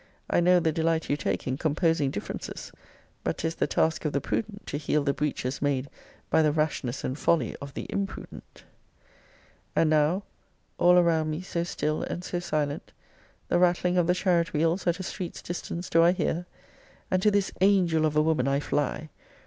I know the delight you take in composing differences. But 'tis the task of the prudent to heal the breaches made by the rashness and folly of the imprudent. And now, (all around me so still and so silent,) the rattling of the chariot wheels at a street's distance do I hear! And to this angel of a woman I fly!